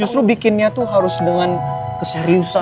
justru bikinnya tuh harus dengan keseriusan